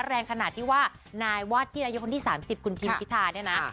แรงขนาดที่ว่านายวาดที่นายกคนที่๓๐คุณทิมพิธาเนี่ยนะ